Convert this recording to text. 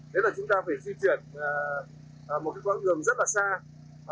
đấy là chúng ta phải di chuyển một cái con đường rất là xa